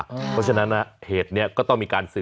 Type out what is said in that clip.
เพราะฉะนั้นเหตุนี้ก็ต้องมีการสื่อ